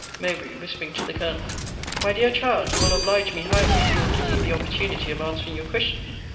Mowbr. (whispering to the Colonel) My dear child, you will oblige me highly if you will give me the opportunity of answering your question.